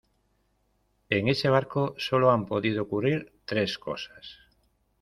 en ese barco solo han podido ocurrir tres cosas.